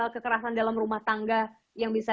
kekerasan dalam rumah tangga yang bisa